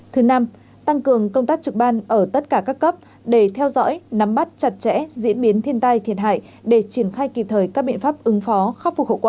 thứ năm tăng cường công tác trực ban ở tất cả các cấp để theo dõi nắm bắt chặt chẽ diễn biến thiên tai thiệt hại để triển khai kịp thời các biện pháp ứng phó khắc phục hậu quả